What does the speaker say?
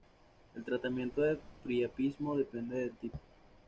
El tratamiento del priapismo depende del tipo.